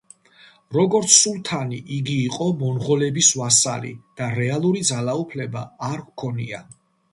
როგორც სულთანი იგი იყო მონღოლების ვასალი და რეალური ძალაუფლება არ ჰქონია.